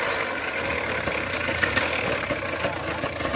และที่สุดท้ายและที่สุดท้าย